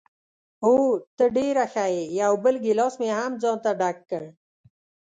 اوه، ته ډېره ښه یې، یو بل ګیلاس مې هم ځانته ډک کړ.